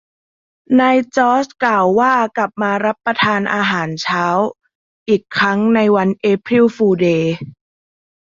นายจอร์จกล่าวว่ากลับมารับประทานอาหารเช้าอีกครั้งในวันเอพริลฟูลเดย์